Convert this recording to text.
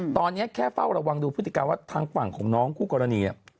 ตอนนี้แค่เฝ้าระวังดูพฤติการว่าทางฝั่งของน้องคู่กรณี